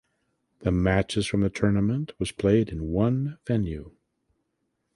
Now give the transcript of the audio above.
The matches from the tournament was played in one venue.